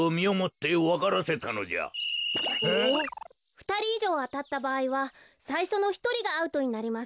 ふたりいじょうあたったばあいはさいしょのひとりがアウトになります。